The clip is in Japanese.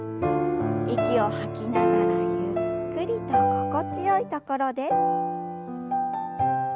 息を吐きながらゆっくりと心地よい所で。